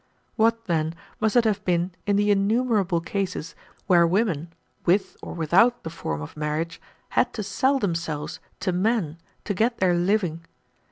What, then, must it have been in the innumerable cases where women, with or without the form of marriage, had to sell themselves to men to get their living?